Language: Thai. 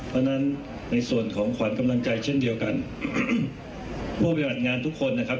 เพราะฉะนั้นในส่วนของขวัญกำลังใจเช่นเดียวกันผู้ปฏิบัติงานทุกคนนะครับ